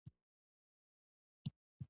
له همدې کبله تولید له سخت سقوط سره مخ شو